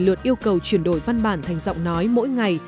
một trăm linh lượt yêu cầu chuyển đổi văn bản thành giọng nói mỗi ngày